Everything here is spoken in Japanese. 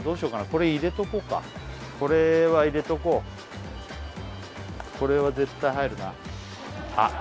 これ入れとこうかこれは入れとこうこれは絶対入るなあっ